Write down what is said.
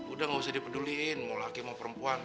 udah gak usah dipeduliin mau laki mau perempuan